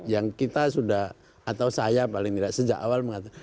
yang kita sudah atau saya paling tidak sejak awal mengatakan